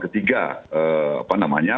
ketiga apa namanya